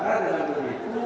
karena dengan begitu